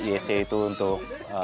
esc itu untuk